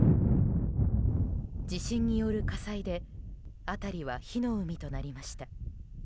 地震による火災で辺りは火の海となりました。